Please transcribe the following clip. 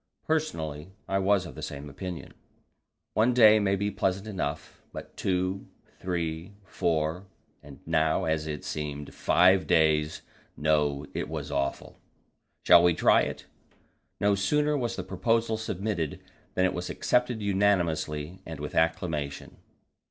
Personally, I was of the same opinion. One day may be pleasant enough, but two, three, four, and, as it now seemed, five days no, it was awful. "Shall we try it?" No sooner was the proposal submitted than it was accepted unanimously and with acclamation.